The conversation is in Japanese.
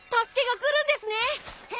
助けが来るんですね！